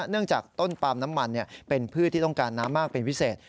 เนื่องจากต้นปาล์มน้ำมันเป็นพืชที่ต้องการน้ำมากเป็นพิเศษ